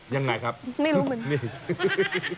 ยังไงครับไม่รู้เหมือนกัน